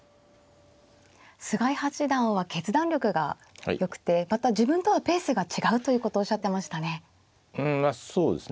菅井八段は決断力がよくてまた自分とはペースが違うということをおっしゃってましたね。